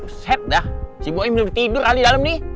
buset dah si boya belum tidur ada di dalam nih